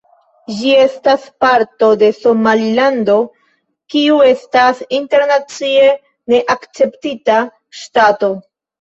Ĝi estas parto de Somalilando, kiu estas internacie ne akceptita ŝtato.